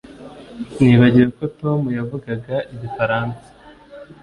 Nibagiwe ko Tom yavugaga Igifaransa